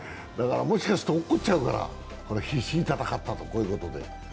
もしかすると落っこっちゃうから必死に戦ったということで。